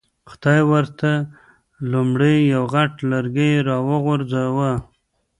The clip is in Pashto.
خدای ورته لومړی یو غټ لرګی را وغورځاوه.